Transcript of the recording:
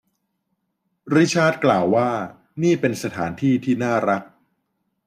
ริชาร์ดกล่าวว่านี่เป็นสถานที่ที่น่ารัก